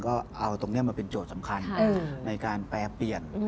ก็เอาตรงนี้มาเป็นโจทย์สำคัญในการแปรเปลี่ยน